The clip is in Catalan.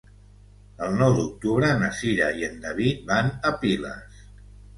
El nou d'octubre na Cira i en David van a Piles.